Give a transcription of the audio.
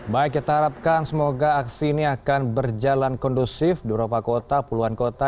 baik kita harapkan semoga aksi ini akan berjalan kondusif di beberapa kota puluhan kota